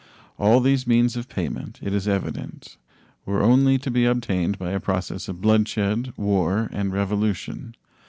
All these means of payment, it is evident, were only to be obtained by a process of bloodshed, war, and revolution.